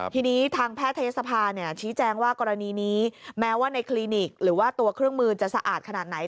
ทีนี้ทางแพทยศภาชี้แจงว่ากรณีนี้แม้ว่าในคลินิกหรือว่าตัวเครื่องมือจะสะอาดขนาดไหน